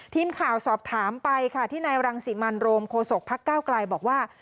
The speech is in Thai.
ทีมข่าวสอบถามไปค่ะที่นายรังสิมันโรมโคศกพักก้าวไกลบอกว่า